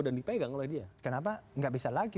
dan dipegang oleh dia kenapa gak bisa lagi